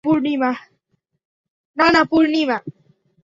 না, না, পূর্ণিমা।